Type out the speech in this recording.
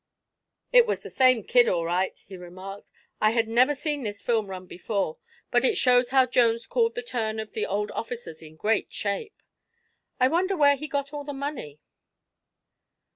"It was the same kid, all right," he remarked. "I had never seen this film run before, but it shows how Jones called the turn on the old officers in great shape. I wonder where he got all the money?"